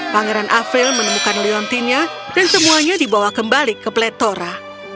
pangeran avril menemukan leontina dan semuanya dibawa kembali ke plethora